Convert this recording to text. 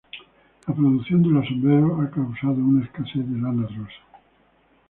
La producción de los sombreros ha causado una escasez de lana rosa.